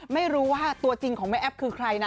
ไม่รู้ว่าตัวจริงของแม่แอ๊บคือใครนะ